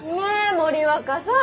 森若さん。